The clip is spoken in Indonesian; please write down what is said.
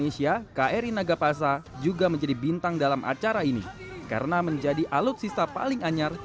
indonesia kri nagapasa juga menjadi bintang dalam acara ini karena menjadi alutsista paling anyar